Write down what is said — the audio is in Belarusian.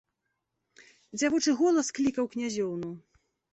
Дзявочы голас клікаў князёўну.